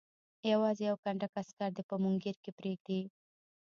یوازې یو کنډک عسکر دې په مونګیر کې پرېږدي.